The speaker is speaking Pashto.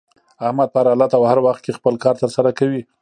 احمد په هر حالت او هر وخت کې خپل کار تر سره کوي.